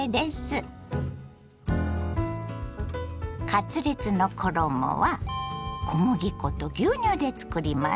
カツレツの衣は小麦粉と牛乳でつくります。